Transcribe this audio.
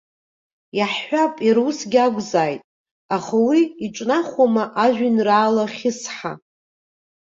Иаҳҳәап, иара усгьы акәзааит, аха уи иҿнахуама ажәеинраала хьысҳа.